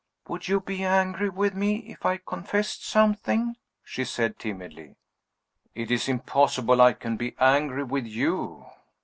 "Would you be angry with me if I confessed something?" she said timidly. "It is impossible I can be angry with you!"